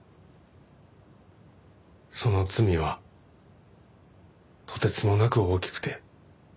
その罪はとてつもなく大きくて。